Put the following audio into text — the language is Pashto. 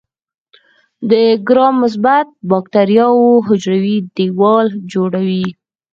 د ګرام مثبت باکتریاوو حجروي دیوال جوړوي.